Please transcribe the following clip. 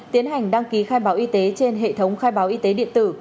tiến hành đăng ký khai báo y tế trên hệ thống khai báo y tế điện tử